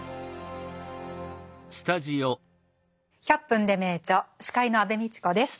「１００分ｄｅ名著」司会の安部みちこです。